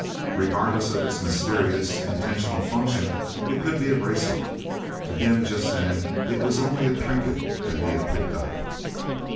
Regardless of its mysterious intentional function, it could be a bracelet. To him, just then, it was only a trinket that he had picked up.